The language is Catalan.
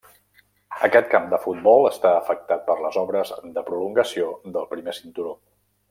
Aquest camp de futbol està afectat per les obres de prolongació del Primer Cinturó.